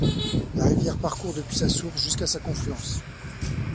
La rivière parcourt depuis sa source jusqu'à sa confluence.